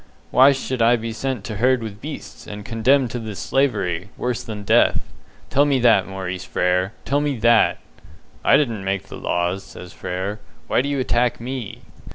Why should I be sent to herd with beasts, and condemned to this slavery, worse than death? Tell me that, Maurice Frere tell me that!" "I didn't make the laws," says Frere, "why do you attack me?"